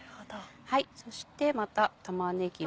そしてまた玉ねぎも。